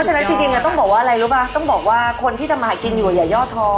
ฉะนั้นจริงต้องบอกว่าอะไรรู้ป่ะต้องบอกว่าคนที่ทำอาหารกินอยู่อย่าย่อท้อ